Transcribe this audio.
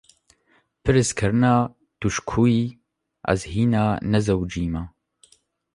Pirs kirine tu ji ku yî, ‘ez hîna nezewujime’